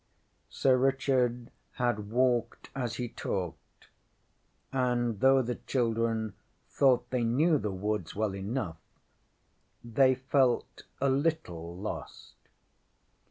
ŌĆÖ Sir Richard had walked as he talked, and though the children thought they knew the woods well enough, they felt a little lost.